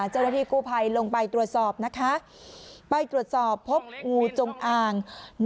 เจ้าหน้าที่กู้ภัยลงไปตรวจสอบนะคะไปตรวจสอบพบงูจงอ่าง